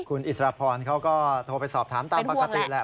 คุณอิสรพรเขาก็โทรไปสอบถามตามปกติแหละ